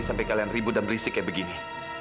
pas euch here kalau berisik begini